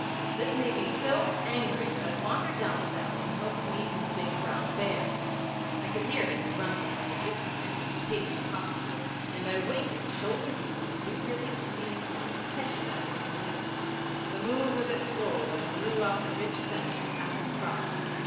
This made me so angry that I wandered down the valley in the hope of meeting the big brown bear. I could hear him grunting like a discontented pig in the poppy field, and I waited shoulder deep in the dew dripping Indian corn to catch him after his meal. The moon was at full and drew out the rich scent of the tasselled crop.